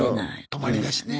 泊まりだしね。